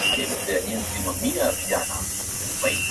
kutoka juu Tulipata angalau miti mikubwa ya